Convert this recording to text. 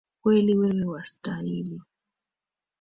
Kweli wewe wastahili